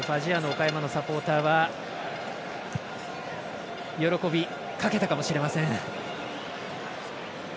岡山のサポーターは喜びかけたかもしれません。